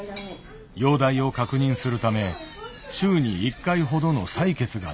容体を確認するため週に１回ほどの採血が続いていた。